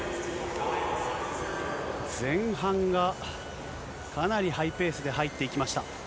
前半がかなりハイペースで入っていきました。